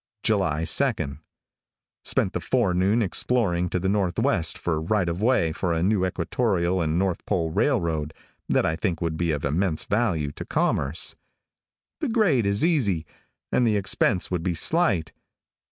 July 2. Spent the forenoon exploring to the northwest for right of way for a new equatorial and North Pole railroad that I think would be of immense value to commerce. The grade is easy, and the expense would be slight.